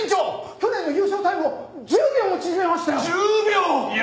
去年の優勝タイムを１０秒も縮めましたよ！